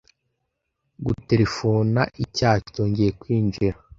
Guterefona icyaha cyongeye kwinjira